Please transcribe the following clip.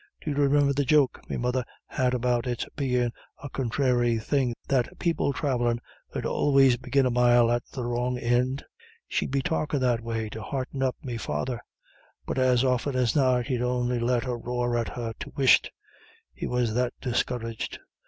Do you remimber the joke me mother had about it's bein' a conthráry thing that people thravellin' 'ud always begin a mile at the wrong ind? She'd be talkin' that way to hearten up me father; but as often as not he'd on'y let a roar at her to whisht, he was that discouraged.